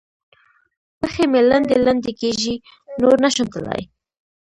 پښې مې لنډې لنډې کېږي؛ نور نه شم تلای.